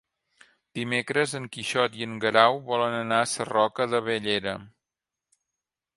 Dimecres en Quixot i en Guerau volen anar a Sarroca de Bellera.